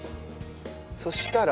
そしたら。